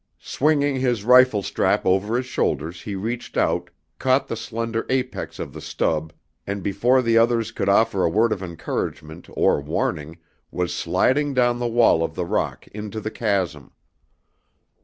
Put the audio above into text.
Swinging his rifle strap over his shoulders he reached out, caught the slender apex of the stub, and before the others could offer a word of encouragement or warning was sliding down the wall of the rock into the chasm.